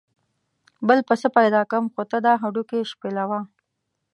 بل پسه پیدا کوم خو ته دا هډوکي شپېلوه.